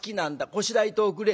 こしらえておくれ」。